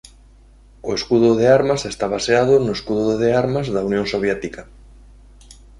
O escudo de armas está baseado no escudo de armas da Unión Soviética.